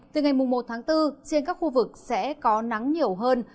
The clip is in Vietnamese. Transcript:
từ ngày một tháng bốn trên các khu vực sẽ có nắng nhiều hơn